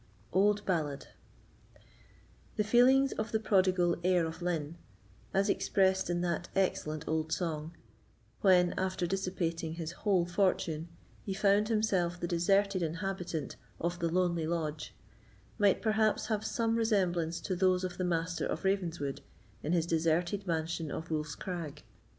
Old Ballad The feelings of the prodigal Heir of Linne, as expressed in that excellent old song, when, after dissipating his whole fortune, he found himself the deserted inhabitant of "the lonely lodge," might perhaps have some resemblance to those of the Master of Ravenswood in his deserted mansion of Wolf's Crag.